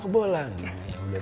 udah terlanjur kan